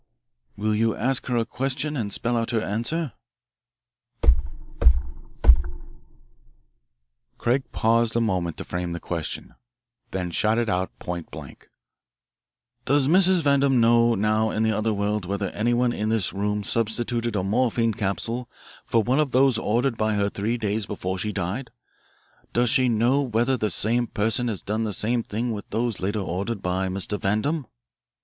Rap! rap! "Will you ask her a question and spell out her answer?" Rap! rap! rap! Craig paused a moment to frame the question, then shot it out point blank: "Does Mrs. Vandam know now in the other world whether anyone in this room substituted a morphine capsule for one of those ordered by her three days before she died? Does she know whether the same person has done the same thing with those later ordered by Mr. Vandam?"